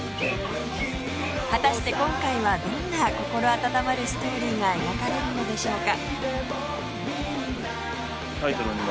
果たして今回はどんな心温まるストーリーが描かれるのでしょうか？